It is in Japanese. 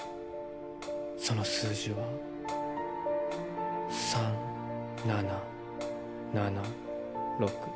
その数字は３７７６。